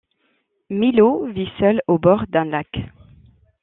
Milo vit seul au bord d'un lac.